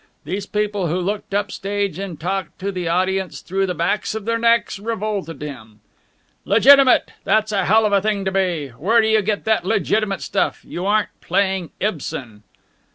These people who looked up stage and talked to the audience through the backs of their necks revolted him. "Legitimate! That's a hell of a thing to be! Where do you get that legitimate stuff? You aren't playing Ibsen!"